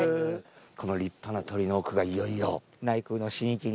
この立派な鳥居の奥がいよいよ。